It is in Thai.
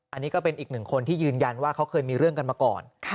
อันนี้ก็เป็นอีกหนึ่งคนที่ยืนยันว่าเขาเคยมีเรื่องกันมาก่อน